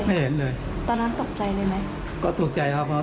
ไม่เห็นตัวคนร้ายเลยไม่เห็นเลย